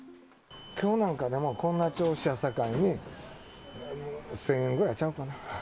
きょうなんかでも、こんな調子やさかいに、１０００円ぐらいちゃうかな。